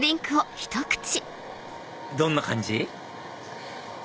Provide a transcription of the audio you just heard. どんな感じ？